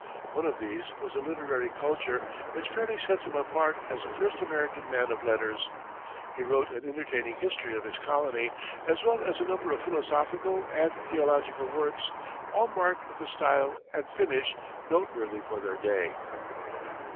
One of these was a literary culture which fairly sets him apart as the first American man of letters. He wrote an entertaining history of his colony, as well as a number of philosophical and theological works, all marked with a style and finish noteworthy for their day.